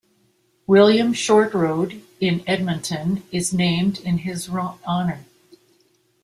William Short Road in Edmonton is named in his honour.